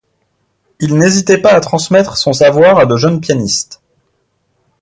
Il n'hésitait pas à transmettre son savoir à de jeunes pianistes.